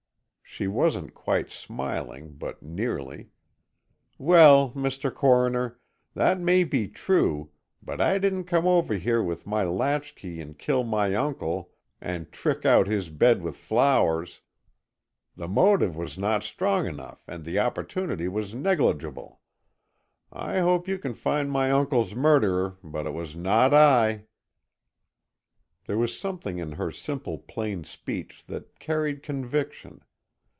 she wasn't quite smiling, but nearly. "Well, Mr. Coroner, that may be true, but I didn't come over here with my latchkey and kill my uncle and trick out his bed with flowers. The motive was not strong enough and the opportunity was negligible. I hope you can find my uncle's murderer, but it was not I." There was something in her simple plain speech that carried conviction.